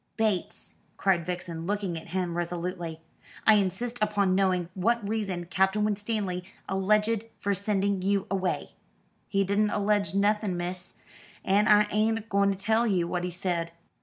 "Bates," cried Vixen, looking at him resolutely, "I insist upon knowing what reason Captain Winstanley alleged for sending you away." "He didn't allege nothing, miss: and I ain't agoing to tell you what he said."